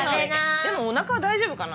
でもお腹は大丈夫かな。